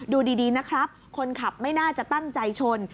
ดูดีนะครับคนขับไม่น่าจะตั้งใจชน